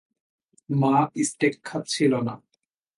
মা স্টেক খাচ্ছিল না।